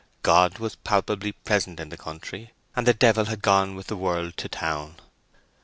God was palpably present in the country, and the devil had gone with the world to town.